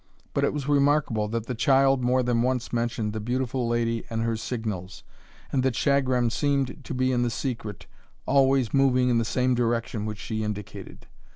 But it was remarkable, that the child more than once mentioned the beautiful lady and her signals, and that Shagram seemed to be in the secret, always moving in the same direction which she indicated.